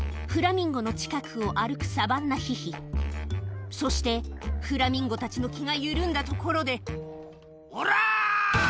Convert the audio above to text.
フラミンゴの近くを歩くサバンナヒヒそしてフラミンゴたちの気が緩んだところでおら！